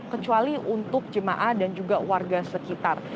kecuali untuk jemaah dan jemaah yang berdiri di jemah